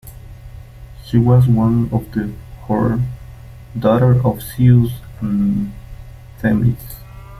She was one of the Horae, daughter of Zeus and Themis.